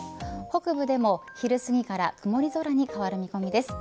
北部でも昼すぎから曇り空に変わる見込みです。